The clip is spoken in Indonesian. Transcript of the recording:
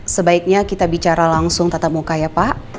sebaiknya kita bicara langsung tatap muka ya pak